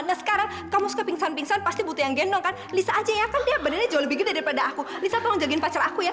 nah sekarang kamu suka pingsan pingsan pasti butuh yang gendong kan lisa aja ya kan dia benernya jauh lebih gede daripada aku lisa bakal jadiin pacar aku ya